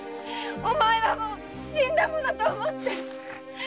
お前はもう死んだものと思って。